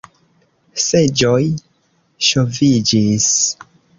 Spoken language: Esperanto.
Seĝoj ŝoviĝis.